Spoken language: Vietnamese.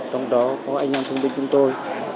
trong đó có anh em thương binh chúng tôi